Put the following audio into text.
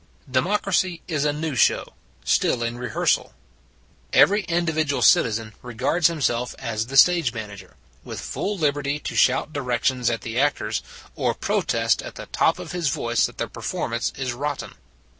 Democracy is a new show, still in re hearsal. Every individual citizen regards 210 It s a Good Old World himself as the stage manager, with full liberty to shout directions at the actors, or protest at the top of his voice that the performance is rotten.